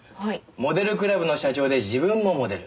モデルクラブの社長で自分もモデル。